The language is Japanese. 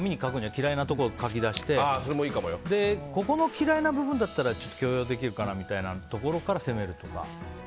嫌いなところを書き出してここの嫌いな部分だったら許容できるかなみたいなところから攻めるとか。